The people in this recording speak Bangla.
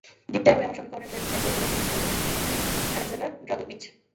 জিততেই হবে এমন সমীকরণের ম্যাচে পেনাল্টি মিস করেছেন অস্ট্রিয়ান ডিফেন্ডার আলেক্সান্ডার ড্রাগোভিচ।